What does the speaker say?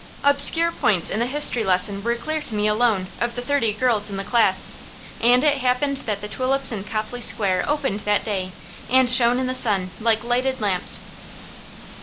Obscure points in the history lesson were clear to me alone, of the thirty girls in the class. And it happened that the tulips in Copley Square opened that day, and shone in the sun like lighted lamps.